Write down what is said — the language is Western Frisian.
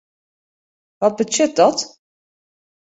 Wat betsjut dat?